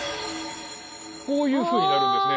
こういうふうになるんですね。